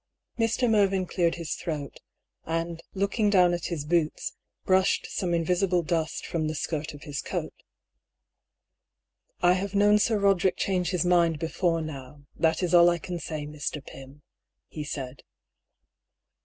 Mr. Mervyn cleared his throat ; and looking dpwn at his boots, brushed some invisible dust from the skirt of his coat. " I have known Sir Roderick change his mind before now ; that is all I can say, Mr. Pym," he said.